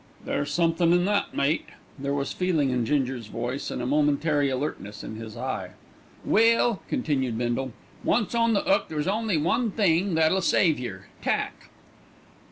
"There's somethin' in that, mate." There was feeling in Ginger's voice and a momentary alertness in his eye. "Well," continued Bindle, "once on the 'ook there's only one thing that'll save yer tack."